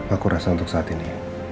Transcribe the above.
aku rasa untuk saat ini